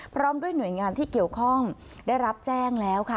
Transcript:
พร้อมด้วยหน่วยงานที่เกี่ยวข้องได้รับแจ้งแล้วค่ะ